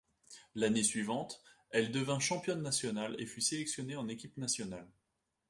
L'année suivante, elle devint championne nationale et fut sélectionnée en équipe nationale.